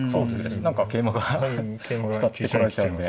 何か桂馬が使ってこられちゃうので。